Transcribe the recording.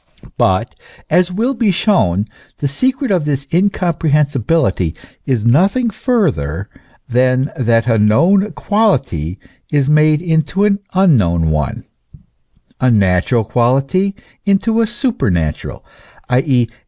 But, as will be shown, the secret of this incomprehensibility is nothing further than that a known quality is made into an unknown one, a natural quality into a supernatural, i.